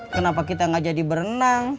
kenapa kita gak jadi berenang